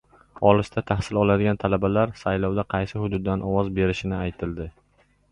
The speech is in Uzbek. Olisda tahsil oladigan talabalar saylovda qaysi hududdan ovoz berishi aytildi